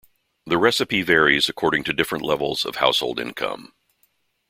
The recipe varies according to different levels of household income.